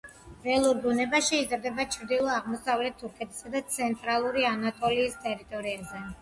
ველურ ბუნებაში იზრდება ჩრდილო-აღმოსავლეთ თურქეთსა და ცენტრალური ანატოლიის ტერიტორიაზე.